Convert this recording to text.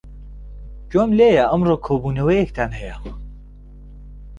گوێم لێیە ئەمڕۆ کۆبوونەوەیەکتان هەیە.